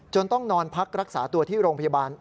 ต้องนอนพักรักษาตัวที่โรงพยาบาล